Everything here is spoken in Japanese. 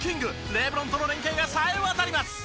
レブロンとの連係がさえ渡ります。